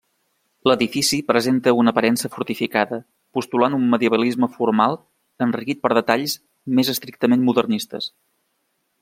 L'edifici presenta una aparença fortificada, postulant un medievalisme formal enriquit per detalls més estrictament modernistes.